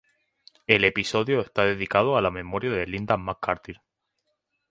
El episodio está dedicado a la memoria de Linda McCartney.